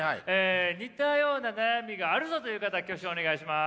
似たような悩みがあるぞという方挙手をお願いします。